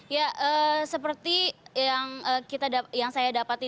ya seperti yang saya dapat di lapangan